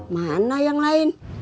mana yang lain